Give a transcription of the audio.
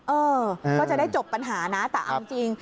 เออก็จะได้จบปัญหานะแต่เอาจริง